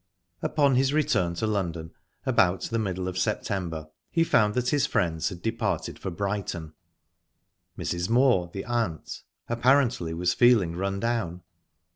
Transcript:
Upon his return to London about the middle of September he found that his friends had departed for Brighton; Mrs. Moor the aunt apparently was feeling rundown.